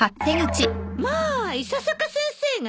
まあ伊佐坂先生が。